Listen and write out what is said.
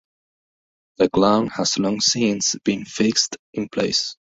The clown has long since been fixed in place.